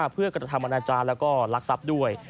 เพื่อกรรธรรมนาจารย์แล้วก็ลักษัพธ์ด้วย